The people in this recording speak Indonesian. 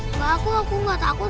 enggak aku aku gak takut